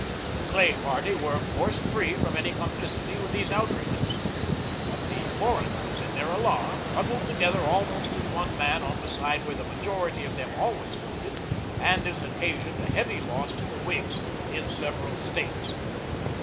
The Clay party were, of course, free from any complicity with these outrages, but the foreigners, in their alarm, huddled together almost as one man on the side where the majority of them always voted, and this occasioned a heavy loss to the Whigs in several States.